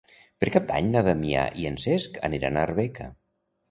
Per Cap d'Any na Damià i en Cesc aniran a Arbeca.